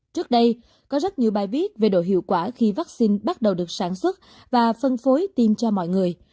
trước đây có rất nhiều bài viết về độ hiệu quả khi vaccine bắt đầu được sản xuất và phân phối tiêm cho mọi người